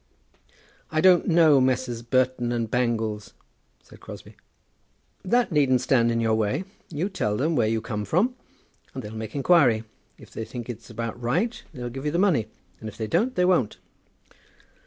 "I don't know Messrs. Burton and Bangles," said Crosbie. "That needn't stand in your way. You tell them where you come from, and they'll make inquiry. If they think it's about right, they'll give you the money; and if they don't, they won't."